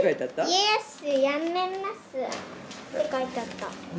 ＹＥＳやめますって書いてあった。